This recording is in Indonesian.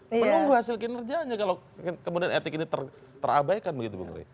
mengunggu hasil kinerja aja kalau kemudian etik ini terabaikan begitu mbak wiwi